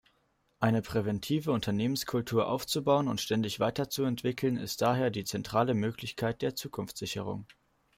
Eine präventive Unternehmenskultur aufzubauen und ständig weiterzuentwickeln ist daher die zentrale Möglichkeit der Zukunftssicherung.